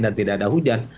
dan tidak ada hujan